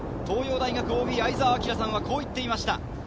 東洋大学ＯＢ・相澤晃さんはこう言っていました。